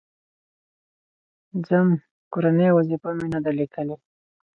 _ځم، کورنۍ وظيفه مې نه ده ليکلې.